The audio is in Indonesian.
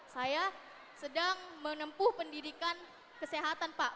saya sedang menempuh pendidikan kesehatan pak